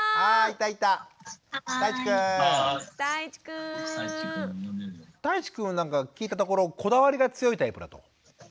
たいちくんは聞いたところこだわりが強いタイプだと。